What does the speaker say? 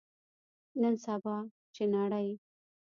نن سبا، چې نړۍ